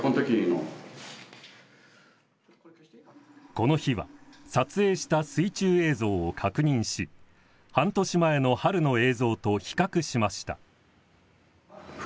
この日は撮影した水中映像を確認し半年前の春の映像と比較しました。